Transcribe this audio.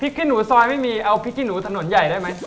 ขี้หนูซอยไม่มีเอาพริกขี้หนูถนนใหญ่ได้ไหม